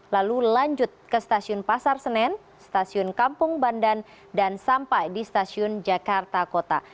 lalu lanjut ke stasiun pasar senen stasiun kampung bandan dan sampai di stasiun jakarta kota